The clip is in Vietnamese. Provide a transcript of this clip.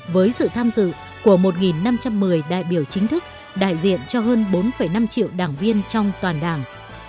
với sự tham dự của một năm trăm một mươi đại biểu chính thức đại diện cho hơn bốn năm triệu đảng viên trong toàn đảng